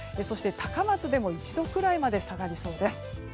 そして、高松でも１度くらいまで下がりそうです。